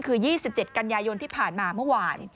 คือ๒๗กันยายนที่ผ่านมาเมื่อวาน